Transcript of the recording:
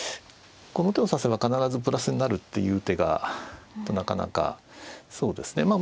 この手を指せば必ずプラスになるっていう手がなかなかそうですね